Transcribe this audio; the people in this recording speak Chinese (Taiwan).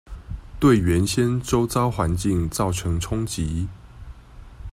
對原先週遭環境造成衝擊